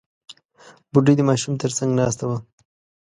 بوډۍ د ماشوم تر څنګ ناسته وه.